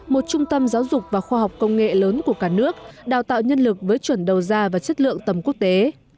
một trung tâm giáo dục và khoa học công nghệ lớn của cả nước đào tạo nhân lực với chuẩn đầu ra và chất lượng tầm quốc tế